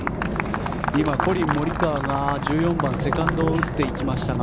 今、コリン・モリカワが１４番、セカンドを打っていきましたが。